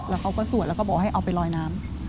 แล้วเขาก็สวดแล้วก็บอกให้เอาไปลอยน้ำ